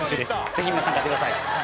ぜひみなさん買ってください